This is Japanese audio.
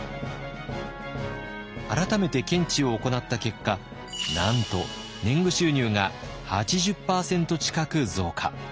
改めて検地を行った結果なんと年貢収入が８０％近く増加。